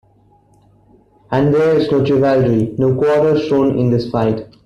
And there's no chivalry, no quarter shown in this fight.